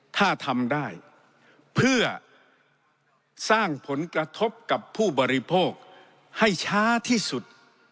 ถ้าทำได้เพื่อสร้างผลกระทบกับผู้บริโภคให้ช้าที่สุด